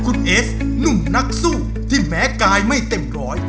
คุณเอสหนุ่มนักสู้ที่แม้กายไม่เต็มร้อย